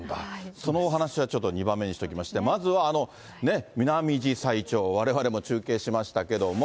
そのお話はちょっと２番目にしときまして、まずはあのミナミジサイチョウ、われわれも中継しましたけども。